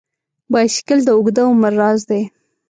بایسکل د اوږده عمر راز دی.